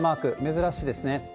珍しいですね。